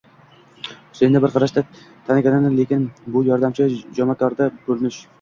Husayinni bir qarashda taniganini, lekin bu yordamchi, jomakorda ko'rinish